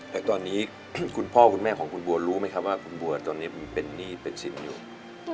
แล้วตอนนี้คุณพ่อคุณแม่ของคุณบัวรู้ไหมครับว่าคุณบัวตอนนี้เป็นหนี้เป็นสินอยู่